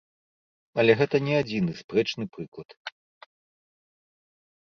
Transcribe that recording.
Але гэта не адзіны спрэчны прыклад.